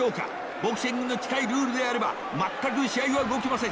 ボクシングに近いルールであれば全く試合は動きません。